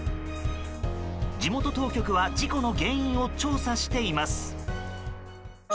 地元当局は事故の原因を調査しています。